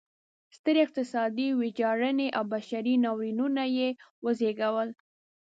سترې اقتصادي ویجاړنې او بشري ناورینونه یې وزېږول.